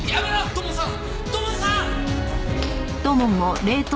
土門さん！